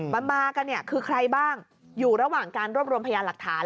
มันมากันเนี่ยคือใครบ้างอยู่ระหว่างการรวบรวมพยานหลักฐาน